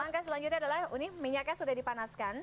langkah selanjutnya adalah ini minyaknya sudah dipanaskan